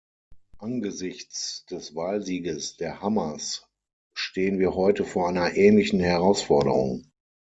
Angesichts des Wahlsieges der Hamas stehen wir heute vor einer ähnlichen Herausforderung.